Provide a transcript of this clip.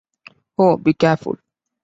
Oh, be careful.